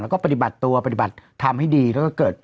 แล้วก็ปฏิบัติตัวปฏิบัติทำให้ดีแล้วก็เกิด